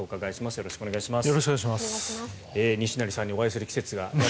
よろしくお願いします。